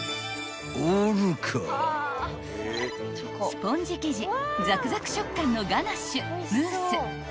［スポンジ生地ザクザク食感のガナッシュムース］